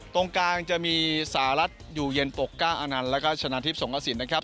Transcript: ตรงกลางจะมีสหรัฐอยู่เย็นปกก้าอานันต์แล้วก็ชนะทิพย์สงกระสินนะครับ